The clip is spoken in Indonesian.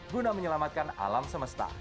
guna menyelamatkan alam semesta